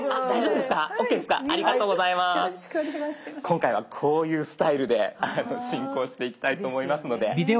今回はこういうスタイルで進行していきたいと思いますので。